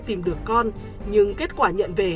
tìm được con nhưng kết quả nhận về